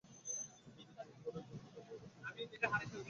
ছোটকে ত্যাগ কর, যাহাতে বড়কে পাইতে পার।